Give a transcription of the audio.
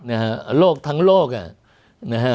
เนี่ยฮะโลกทั้งโลกอ่ะเนี่ยฮะ